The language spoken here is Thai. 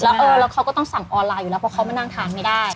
แล้วเออแล้วเขาก็ต้องสั่งออนไลน์อยู่แล้วเพราะเขามานั่งทานไม่ได้